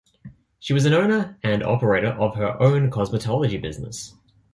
She was an owner and operator of her own cosmetology business.